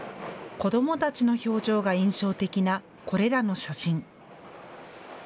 子どもたちの表情が印象的なこれらの写真。